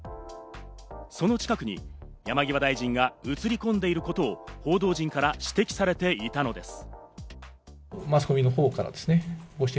その近くに山際大臣が写り込んでいることを報道陣から指摘されていたのです。